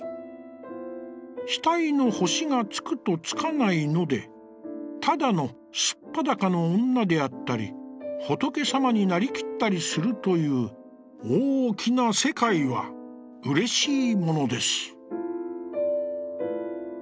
額の星が、つくと、付かないので、タダの素裸の女であったり、ホトケサマに成り切ったりするという、大きな世界は、うれしいものです」。